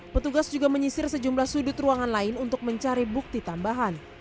petugas juga menyisir sejumlah sudut ruangan lain untuk mencari bukti tambahan